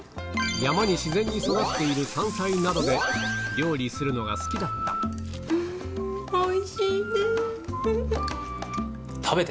山に自然に育っている山菜などで料理するのが好きだったえ。